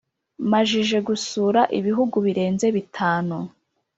Majije gusura ibihugu birenze bitanu